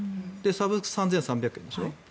サブスクが３３００円でしょ。